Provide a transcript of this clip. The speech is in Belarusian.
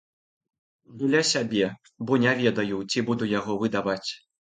Для сябе, бо не ведаю, ці буду яго выдаваць.